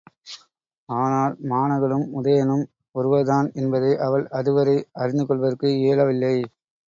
ஆனால் மாணகனும் உதயணனும் ஒருவர்தான் என்பதை அவள் அதுவரை அறிந்துகொள்வதற்கு இயலவில்லை.